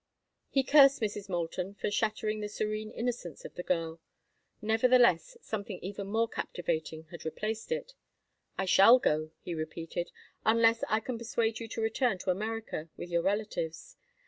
He cursed Mrs. Moulton for shattering the serene innocence of the girl; nevertheless, something even more captivating had replaced it. "I shall go," he repeated, "unless I can persuade you to return to America with your relatives.